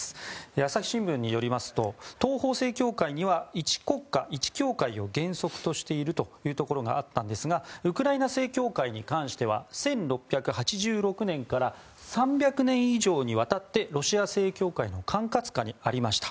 朝日新聞によりますと東方正教会には一国家一教会を原則としているというところがあったんですがウクライナ正教会に関しては１６８６年から３００年以上にわたってロシア正教会の管轄下にありました。